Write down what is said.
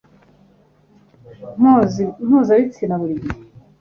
mpuza ibitsina buri gihe,